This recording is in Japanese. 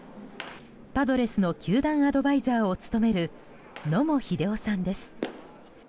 パドレスの球団アドバイザーを務める、野茂英雄さんです。